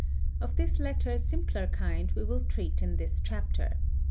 Of this latter simpler kind, we will treat in this chapter.